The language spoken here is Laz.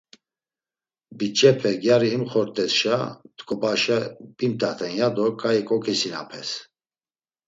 Biç̌epe gyari imxort̆esşa t̆ǩobaşa, bimt̆aten ya do ǩai koǩisinapes.